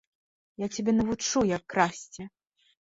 Я цябе навучу, як красці!